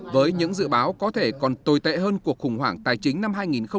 với những dự báo có thể còn tồi tệ hơn cuộc khủng hoảng tài chính năm hai nghìn tám hai nghìn chín